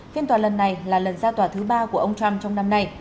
phiên tòa lần này là lần ra tòa thứ ba của ông trump trong năm nay